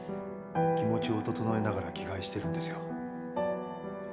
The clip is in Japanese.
気持ちを整えながら着替えしてるんですよ。